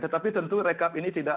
tetapi tentu rekap ini tidak